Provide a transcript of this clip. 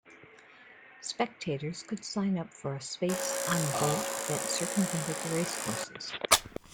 Spectators could sign up for space on a boat that circumvented the race courses.